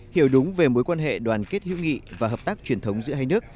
hiểu đúng về mối quan hệ đoàn kết hữu nghị và hợp tác truyền thống giữa hai nước